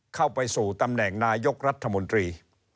เข้าไปสู่ตำแหน่งนายกรัฐมนตรี